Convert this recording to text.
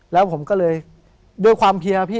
และโรงละ